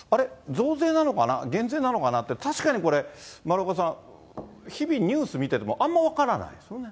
増税なのかな、減税なのかなって、確かにこれ、丸岡さん、日々、ニュース見てても、あんま分からないですよね。